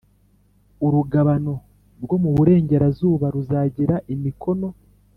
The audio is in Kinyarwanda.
Urugabano rwo mu burengerazuba ruzagira imikono